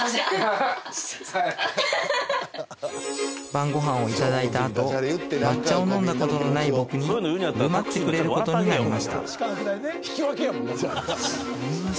晩ごはんをいただいたあと抹茶を飲んだことのない僕に振る舞ってくれることになりました